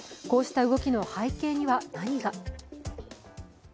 こうした動きの背景には何が。